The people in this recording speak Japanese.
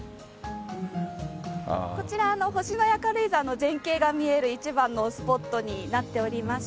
こちら星のや軽井沢の全景が見える一番のスポットになっておりまして。